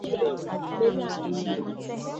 agenda mbalimbali zinatarajiwa kuwekwa mezani